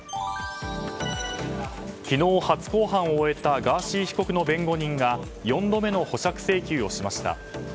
昨日、初公判を終えたガーシー被告の弁護人が４度目の保釈請求をしました。